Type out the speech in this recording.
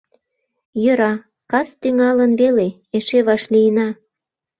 Йӧра, кас тӱҥалын веле, эше вашлийына.